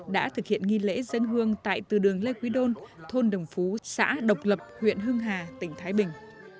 đã thực hiện nghi lễ dân hương tại từ đường lê quý đôn thôn đồng phú xã độc lập huyện hưng hà tỉnh thái bình